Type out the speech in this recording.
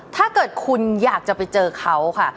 ถ้าเกิดคุณอยากจะไปเจอเขาค่ะ